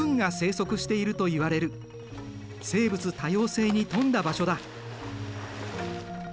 生物多様性に富んだ場所だ。